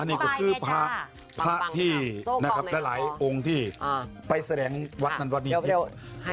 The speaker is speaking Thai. อันนี้ก็คือพระพระที่และหลายองค์ที่ไปแสดงวัดนรรวดนิทิศ